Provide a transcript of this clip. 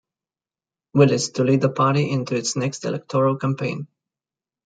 Willis to lead the party into its next electoral campaign.